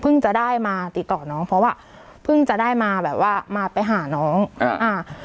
จะได้มาติดต่อน้องเพราะว่าเพิ่งจะได้มาแบบว่ามาไปหาน้องอ่าอ่า